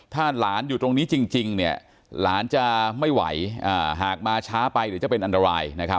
ถ้าหลานอยู่ตรงนี้จริงเนี่ยหลานจะไม่ไหวหากมาช้าไปเดี๋ยวจะเป็นอันตรายนะครับ